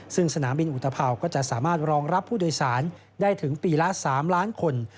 ซึ่งสนามบินอุตภาวก็จะสามารถรองรับผู้โดยสารได้ถึงปีละ๓ล้านคน